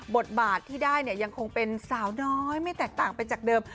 บทบาทที่ได้เนี่ยยังคงเป็นสาวน้อยไม่แตกต่างไปจากเดิม